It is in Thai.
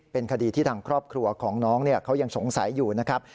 เป็นคดีที่ทางครอบครัวของน้องเขายังสงสัยอยู่นะครับ